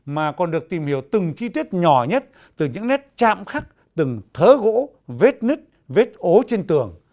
mà còn được tìm hiểu từng chi tiết nhỏ nhất từ những nét chạm khắc từng thớ gỗ vết nứt vết ố trên tường